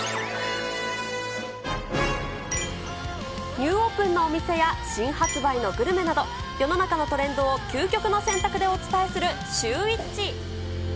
ニューオープンのお店や新発売のグルメなど、世の中のトレンドを究極の選択でお伝えするシューＷｈｉｃｈ。